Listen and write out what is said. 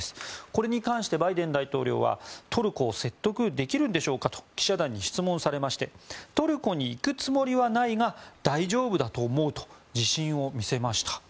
これに関してバイデン大統領はトルコを説得できるんでしょうかと記者団に質問されましてトルコに行くつもりはないが大丈夫だと思うと自信を見せました。